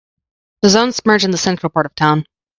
The zones merge in the central part of town.